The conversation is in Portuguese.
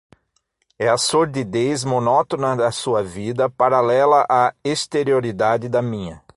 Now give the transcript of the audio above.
É a sordidez monótona da sua vida, paralela à exterioridade da minha